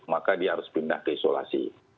maka dia harus pindah ke isolasi